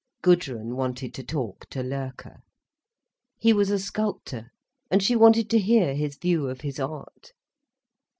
Gudrun wanted to talk to Loerke. He was a sculptor, and she wanted to hear his view of his art.